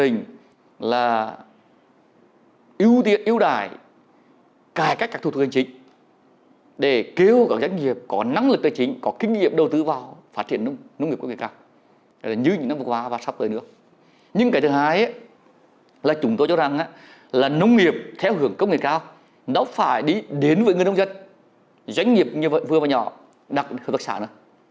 nếu chúng ta đi đến với người nông dân doanh nghiệp như vừa và nhỏ đặt hợp tác sản